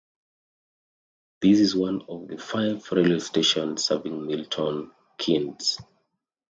This is one of the five railway stations serving Milton Keynes.